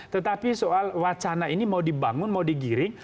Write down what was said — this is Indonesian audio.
tetapi soal wacana ini mau dibangun mau digiring